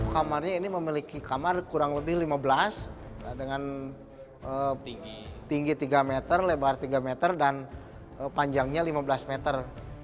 kamarnya ini memiliki kamar kurang lebih lima belas dengan tinggi tiga meter lebar tiga meter dan panjangnya lima belas meter